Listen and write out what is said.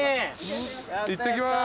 いってきます。